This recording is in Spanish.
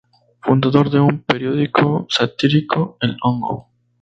Fundador de un periódico satírico, "El Hongo".